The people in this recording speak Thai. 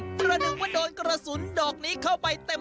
ประหนึ่งว่าโดนกระสุนดอกนี้เข้าไปเต็ม